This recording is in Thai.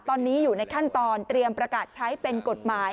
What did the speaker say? ตอนนี้อยู่ในขั้นตอนเตรียมประกาศใช้เป็นกฎหมาย